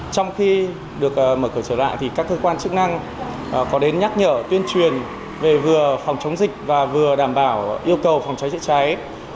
trong khi được mở cửa trở lại thì các cơ quan chức năng có đến nhắc nhở tuyên truyền về vừa phòng chống dịch và vừa đảm bảo yêu cầu phòng cháy chữa cháy